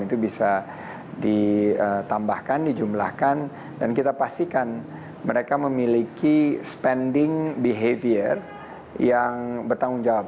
itu bisa ditambahkan dijumlahkan dan kita pastikan mereka memiliki spending behavior yang bertanggung jawab